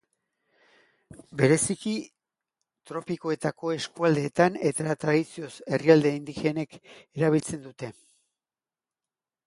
Bereziki, tropikoetako eskualdeetan eta tradizioz herrialde indigenek erabiltzen dute.